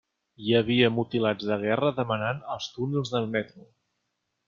Hi havia mutilats de guerra demanant als túnels del metro.